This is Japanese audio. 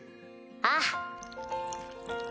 ああ！